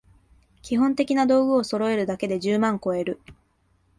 基本的な道具をそろえるだけで十万こえる